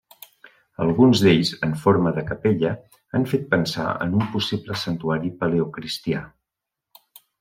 Alguns d'ells, en forma de capella, han fet pensar en un possible santuari paleocristià.